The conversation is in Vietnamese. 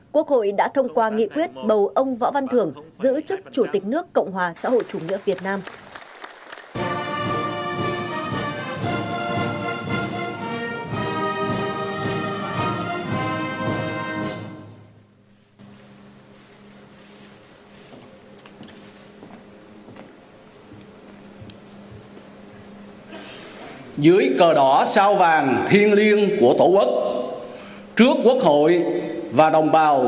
quốc hội đã thông qua nghị quyết bầu ông võ văn thưởng giữ chức chủ tịch nước cộng hòa xã hội chủ nghĩa việt nam